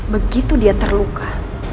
begitu dia terluka